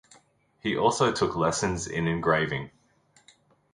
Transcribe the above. He also took lessons in engraving.